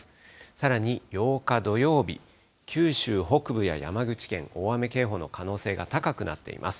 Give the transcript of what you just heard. さらに８日土曜日、九州北部や山口県、大雨警報の可能性が高くなっています。